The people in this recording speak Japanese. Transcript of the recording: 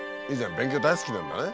勉強大好きなんだね。